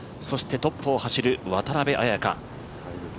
そして、トップを走る渡邉彩香。